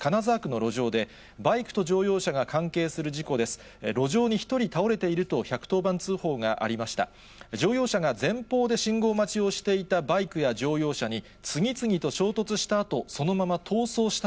路上に１人倒れていると１１０番通報がありました。